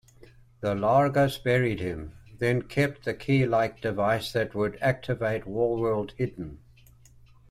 The Largas buried him, then kept the key-like device that could activate Warworld hidden.